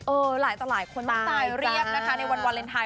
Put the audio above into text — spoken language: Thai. หลายต่อหลายคนต้องตายเรียบนะคะในวันวาเลนไทย